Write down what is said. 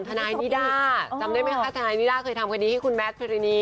ทนายนิด้าจำได้ไหมคะทนายนิด้าเคยทำคดีให้คุณแมทพิรินี